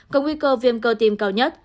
có nguy cơ viêm cơ tim cao nhất